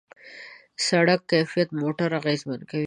د سړک کیفیت موټر اغېزمن کوي.